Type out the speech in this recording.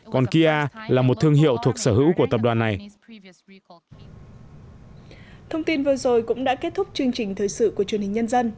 còn kia là một thương hiệu thuộc sở hữu của tập trung